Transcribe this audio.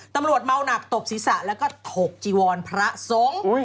ตำรวจเมาหนักตบศีรษะแล้วก็ถกจีวรพระสงฆ์